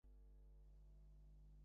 নুহাশ বলল, আপনার কি শরীর খারাপ করছে?